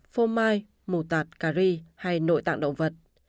phô mai mù tạt cà ri hay nội tạng động vật